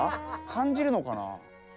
感じるのかな？